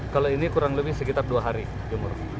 kalau ini kurang lebih sekitar dua hari jember